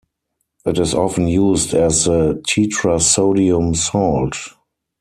It is often used as the tetrasodium salt.